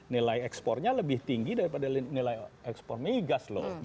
nilai ekspornya lebih tinggi daripada nilai ekspor migas loh